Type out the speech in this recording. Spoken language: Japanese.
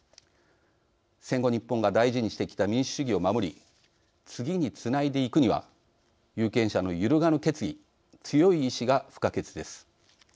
戦後、日本が大事にしてきた民主主義を守り次につないでいくには有権者の揺るがぬ決意強い意思が不可欠です。